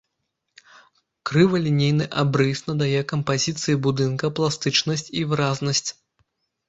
Крывалінейны абрыс надае кампазіцыі будынка пластычнасць і выразнасць.